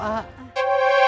makanan yang tadi